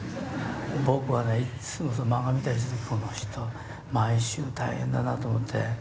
僕はねいっつも漫画見たりする時この人毎週大変だなと思って。